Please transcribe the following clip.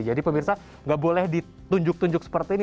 jadi pemirsa nggak boleh ditunjuk tunjuk seperti ini